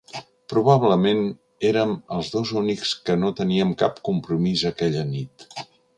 Probablement érem els dos únics que no teníem cap compromís aquella nit.